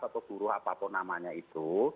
atau buruh apapun namanya itu